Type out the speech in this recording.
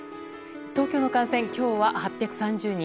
東京の感染、今日は８３０人。